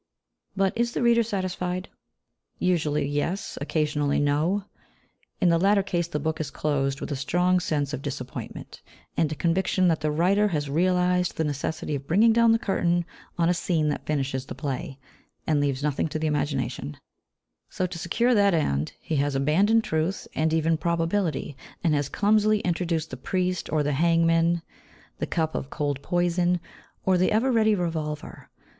But is the reader satisfied? Usually, yes; occasionally, no. In the latter case the book is closed with a strong sense of disappointment, and a conviction that the writer has realised the necessity of bringing down the curtain on a scene that finishes the play, and leaves nothing to the imagination; so, to secure that end, he has abandoned truth, and even probability, and has clumsily introduced the priest or the hangman, the "cup of cold poison," or the ever ready revolver.